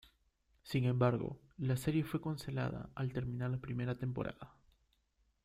Sin embargo, la serie fue cancelada al terminar la primera temporada.